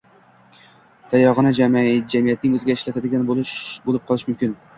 tayog‘ini jamiyatning o‘ziga ishlatadigan bo‘lib qolishi mumkin.